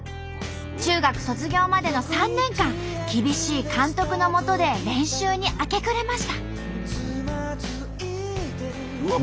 中学卒業までの３年間厳しい監督のもとで練習に明け暮れました。